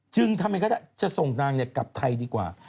จึงทำไมก็จะส่งนางกลับไทยดีกว่า